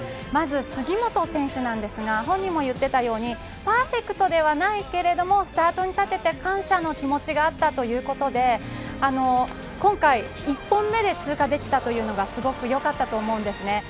まず杉本選手なんですが本人も言っていたようにパーフェクトではないけれどもスタートに立てて感謝の気持ちがあったということで今回、１本目で通過できたというのがすごく良かったと思うんですね。